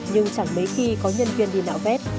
nhưng chẳng mấy khi có nhân viên đi nạo vét